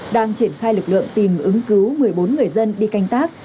đang triển khai lực lượng tìm ứng cứu một mươi bốn người dân đi canh tác